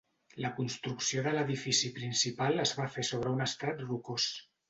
La construcció de l'edifici principal es va fer sobre un estrat rocós.